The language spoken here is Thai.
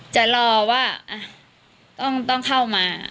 จะรอว่าอ่ะต้องต้องเข้ามา